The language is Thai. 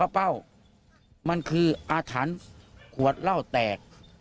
เป้ามันคืออาถรรพ์ขวดเหล้าแตก